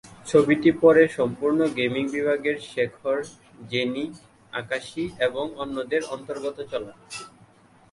ছবিটি পরে সম্পূর্ণ গেমিং বিভাগের শেখর, জেনি, আকাশী এবং অন্যদের অন্তর্গত চলা।